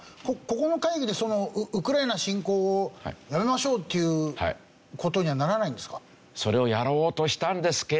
ここの会議でウクライナ侵攻をやめましょうっていう事にはならないんですか？